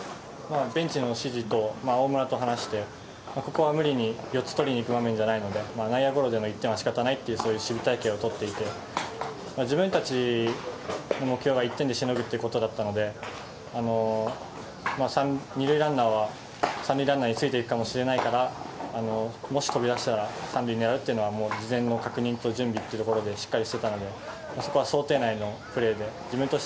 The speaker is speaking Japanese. ベンチの指示と大村と話して、ここは無理に４つ取りにいく場面じゃないので、内野ゴロでの１点はしかたないという守備体系をとっていて、自分たちの目標が１点でしのぐってことだったので、２塁ランナーは３塁ランナーについていくかもしれないから、もし飛び出したら３塁狙うというのは、事前の確認と準備というところで、しっかりしてたので、そこは想定内のプレーで、自分とし